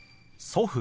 「祖父」。